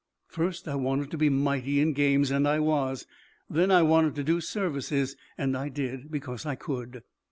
First I wanted to be mighty in games and I was. Then I wanted to do services. And I did, because I could."